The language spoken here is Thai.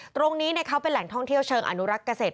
ตรงนี้เขาเป็นแหล่งท่องเที่ยวเชิงอนุรักษ์เกษตร